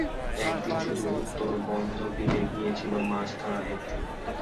এক দিন শুধু উত্তরবন্ধ বিলে গিয়েছিল মাছ ধরা দেখতে।